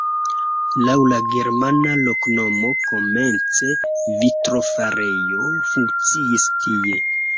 Laŭ la germana loknomo komence vitrofarejo funkciis tie.